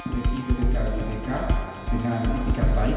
segi bkk bkk dengan ketika baik